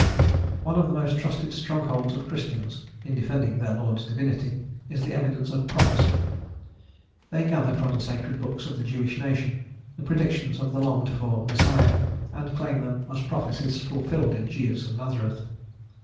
One of the most trusted strongholds of Christians, in defending their Lord's Divinity, is the evidence of prophecy. They gather from the sacred books of the Jewish nation the predictions of the longed for Messiah, and claim them as prophecies fulfilled in Jesus of Nazareth.